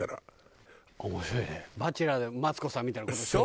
バチェラーマツコさんみたいな事でしょ？